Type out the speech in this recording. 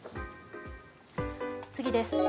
次です。